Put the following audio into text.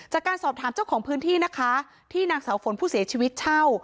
จากการสอบถามเจ้าของพื้นที่นะคะที่นางสาวฝนผู้เสียชีวิตเช่า